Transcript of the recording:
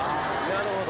なるほど。